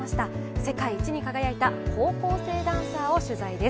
世界一に輝いた高校生ダンサーを取材です。